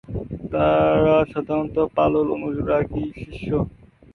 তারা সাধারণত পলল অনুরাগী শীর্ষ।